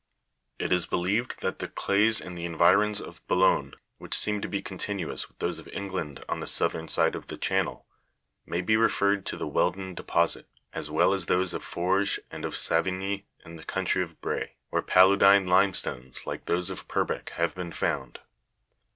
81, 82). 8. It is believed that the clays in the environs of Boulogne, which seem to be continuous with those of England on the south ern side of the Channel, may be referred to the wealden deposit, as well as those of Forges and of Savigny in the country of Bray, where paludine limestones like those of Purbeck have been found.